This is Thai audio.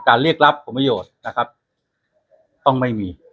การเรียกรับผมโยชน์นะครับต้องไม่มี